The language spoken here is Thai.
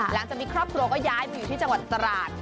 หลังจากมีครอบครัวก็ย้ายมาอยู่ที่จังหวัดตราด